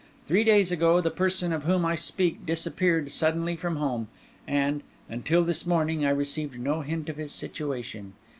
Three days ago the person of whom I speak disappeared suddenly from home; and, until this morning, I received no hint of his situation.